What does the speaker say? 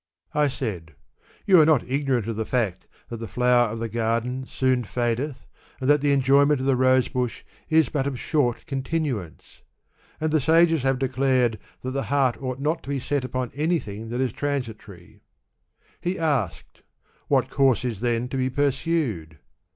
1 saidj * You are not ignorant of the fact that the flower of the garden soon fadcth, and that the enjoyment ol the rosebush is but of short continuance ; and the sage have declared that the heart ought not to be set upoi anything that is transitory/ He asked, * What course i then to be pursued